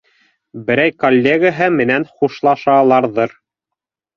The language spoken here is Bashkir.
Берәй коллегаһы менән хушлашаларҙыр.